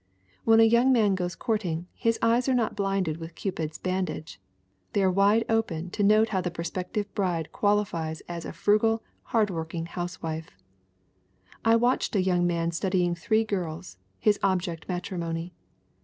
"When a young man goes courting, his eyes are not blinded with Cupid's bandage. They are wide open to note how the prospective bride qualifies as a frugal, hardworking housewife. I watched a young man studying three girls, his object matrimony.